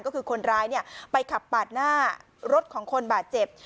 ก็คือคนร้ายไปขับปาดหน้ารถของคนบาดเจ็บ